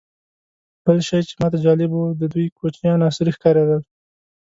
بل شی چې ماته جالبه و، د دوی کوچیان عصري ښکارېدل.